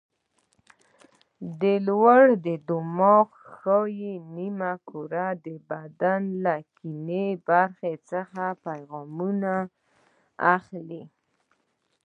د لوی دماغ ښي نیمه کره د بدن له کیڼې برخې څخه پیغامونه اخلي.